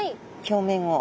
表面を。